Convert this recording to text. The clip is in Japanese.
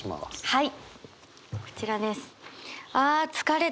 はい。